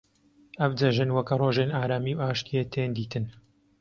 Ev cejn weke rojên aramî û aşîtiyê tên dîtin.